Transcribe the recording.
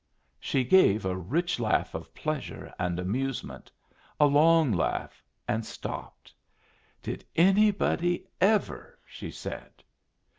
She gave a rich laugh of pleasure and amusement; a long laugh, and stopped. "Did anybody ever!" she said.